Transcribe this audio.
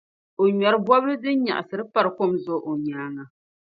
O ŋmɛri bɔbili din nyaɣisira pari kom zuɣu o nyaaŋa.